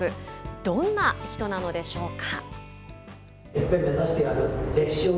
どんな人なのでしょうか。